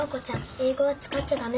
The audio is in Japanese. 英語は使っちゃ駄目。